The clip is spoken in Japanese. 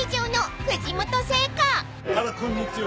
あらこんにちは。